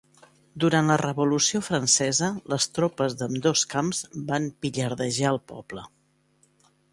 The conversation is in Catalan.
Durant la revolució francesa les tropes d'ambdós camps van pillardejar el poble.